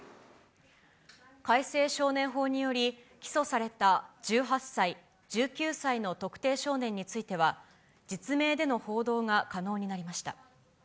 改正少年法により、起訴された１８歳、１９歳の特定少年については、実名での報道が可能になりました。